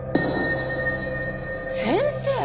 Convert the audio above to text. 先生！